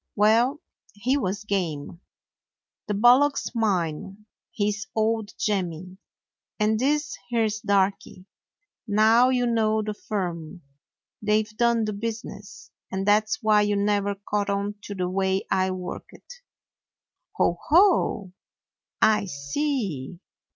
Well, he was game. "The bullock 's mine. He 's old Jemmy. And this here 's Darky. Now you know the firm. They 've done the business, and that 's why you never caught on to the way I worked." "Ho, ho! I see.